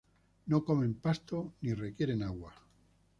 No comen pasto, ni requieren agua.